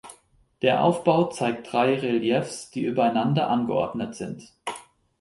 Der Aufbau zeigt drei Reliefs, die übereinander angeordnet sind.